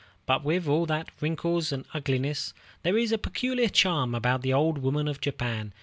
But with all their wrinkles and ugliness, there is a peculiar charm about the old women of Japan.